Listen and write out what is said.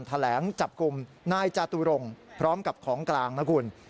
แถลงจับกลุ่มนายจาตุรงค์พร้อมกับของกลางนะคุณ